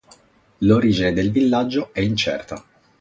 L'origine del villaggio è incerta.